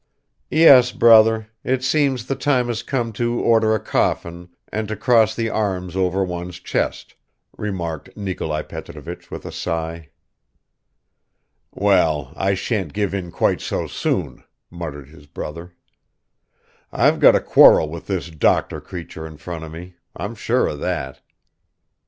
"Yes, brother; it seems the time has come to order a coffin, and to cross the arms over one's chest," remarked Nikolai Petrovich with a sigh. "Well, I shan't give in quite so soon," muttered his brother. "I've got a quarrel with this doctor creature in front of me, I'm sure of that."